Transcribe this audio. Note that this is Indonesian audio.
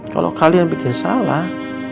kalau kalian bikin salah